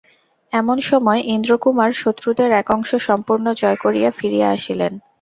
এমন সময় ইন্দ্রকুমার শত্রুদের এক অংশ সম্পূর্ণ জয় করিয়া ফিরিয়া আসিলেন।